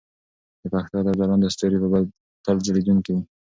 د پښتو ادب ځلانده ستوري به تل ځلېدونکي وي.